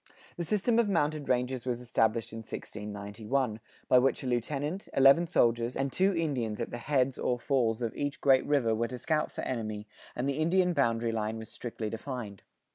The system of mounted rangers was established in 1691, by which a lieutenant, eleven soldiers, and two Indians at the "heads" or falls of each great river were to scout for enemy,[85:1] and the Indian boundary line was strictly defined.